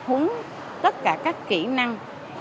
tập húng tất cả các kỹ năng